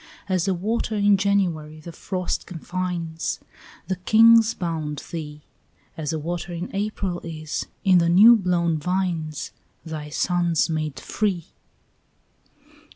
As a water in January the frost confines, Thy kings bound thee; As a water in April is, in the new blown vines, Thy sons made free.